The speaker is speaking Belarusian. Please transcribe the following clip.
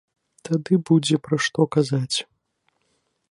Тады будзе пра што казаць.